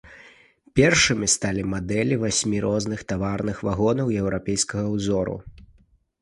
Першымі сталі мадэлі васьмі розных таварных вагонаў еўрапейскага ўзору.